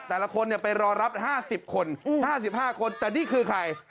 แต่ละคนไปรอรับ๕๐คน๕๕คนแต่นี่คือใคร